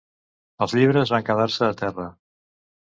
Els llibres van quedar-se a terra.